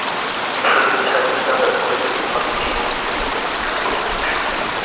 শরীর ছাড়িয়া দাও এবং যদি না পার, জীবনভিক্ষা চাহিয়া চুপ করিয়া বস।